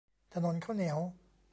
ถนนข้าวเหนียว